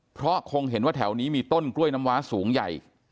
เพราะคงเห็นว่าแถวนี้มีต้นกล้วยน้ำว้าสูงใหญ่